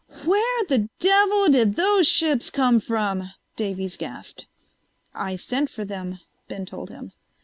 "Where the devil did those ships come from?" Davies gasped. "I sent for them," Ben told him.